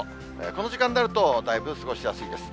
この時間になると、だいぶ過ごしやすいです。